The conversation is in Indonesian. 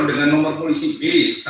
dengan nomor polisi b